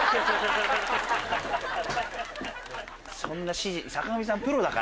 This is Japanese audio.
そんな指示坂上さん。